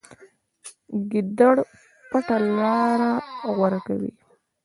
ګیدړ پټه لاره غوره کوي.